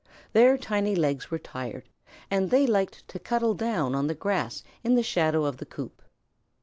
Their tiny legs were tired and they liked to cuddle down on the grass in the shadow of the coop.